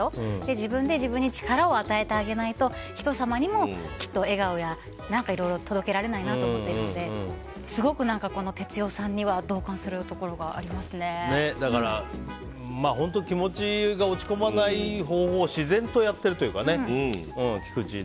自分で自分に力を与えてあげないと人様にもきっと笑顔やいろんなものを届けられないなと思っていてすごく哲代さんには気持ちが落ち込まない方法を自然とやっているというかね菊地。